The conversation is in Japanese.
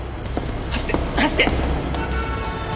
走って走って！